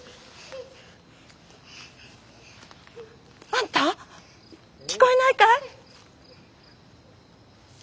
・あんた聞こえないかい？